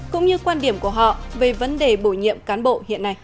cũng như quan điểm của họ về vấn đề bổ nhiệm cán bộ hiện nay